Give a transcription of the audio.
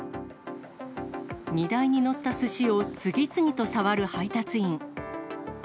荷台に載ったすしを次々と触る配達員。